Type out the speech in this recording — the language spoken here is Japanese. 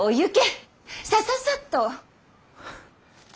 ハさささっと。